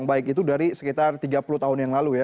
baik itu dari sekitar tiga puluh tahun yang lalu ya